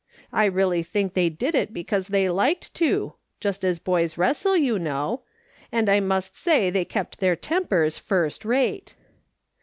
I really think they did it because they liked to, just as boys wrestle, you know ; and I must say they kept their tempers first rate.